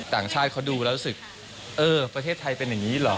ต่างชาติเขาดูแล้วรู้สึกเออประเทศไทยเป็นอย่างนี้เหรอ